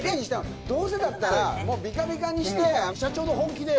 どうせだったら、もう、ぴかぴかにして、社長の本気で。